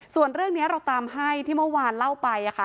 ส่วนเรื่องนี้เราตามให้ที่เมื่อวานเล่าไปค่ะ